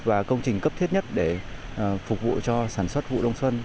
và công trình cấp thiết nhất để phục vụ cho sản xuất vụ đông xuân